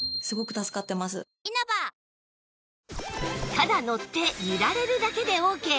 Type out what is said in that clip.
ただ乗って揺られるだけでオーケー